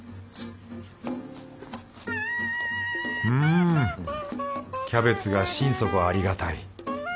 うんキャベツが心底ありがたい。